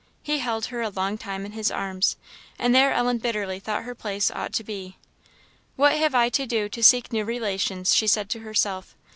He held her a long time in his arms; and there Ellen bitterly thought her place ought to be. "What have I to do to seek new relations?" she said to herself.